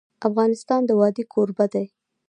افغانستان د وادي کوربه دی.